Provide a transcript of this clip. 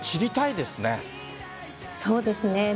そうですね。